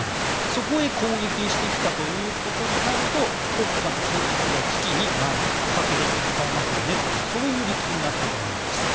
そこへ攻撃してきたということになると国家の存立が危機になる核兵器を使えますよねとそういう理屈になっているようなんです。